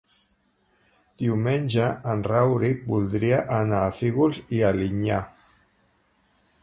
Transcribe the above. Diumenge en Rauric voldria anar a Fígols i Alinyà.